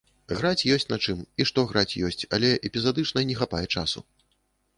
Граць ёсць на чым, і што граць ёсць, але эпізадычна, не хапае часу.